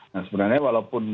nah sebenarnya walaupun